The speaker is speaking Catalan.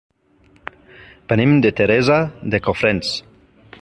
Venim de Teresa de Cofrents.